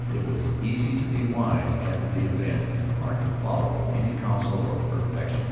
It is easy to be wise after the event and hard to follow any counsel of perfection.